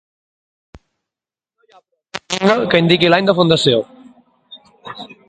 No hi ha però cap llinda que indiqui l'any de fundació.